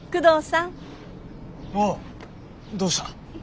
おおどうした。